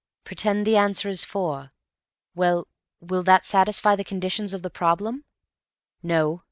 Pretend the answer is 4—well, will that satisfy the conditions of the problem? No.